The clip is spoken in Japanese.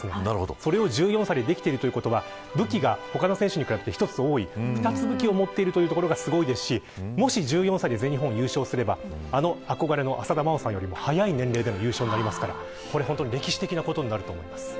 それを１４歳でできているということは他の選手に比べて武器が多い、武器を２つ持っているというところですしもし１４歳で全日本を優勝すればあの憧れの浅田真央さんよりも早い年齢になりますから歴史的なことになると思います。